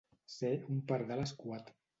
Ser un pardal escuat.